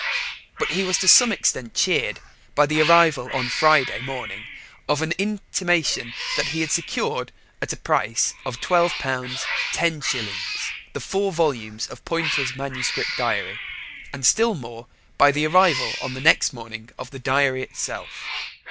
But he was to some extent cheered by the arrival on the Friday morning of an intimation that he had secured at the price of £12 10s. the four volumes of Poynter's manuscript diary, and still more by the arrival on the next morning of the diary itself.